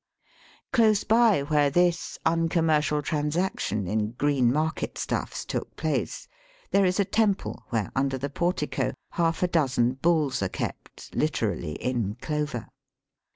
Close by where this uncommercial trans action in green market stuffs took place there is a temple where, under the portico, half a dozen buUs are kept, literally in clover.